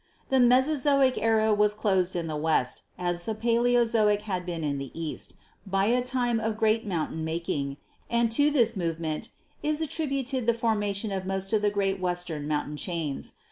"The Mesozoic era was closed in the West, as the Paleozoic had been in the East, by a time of great moun tain making, and to this movement is attributed the forma tion of most of the great Western mountain chains.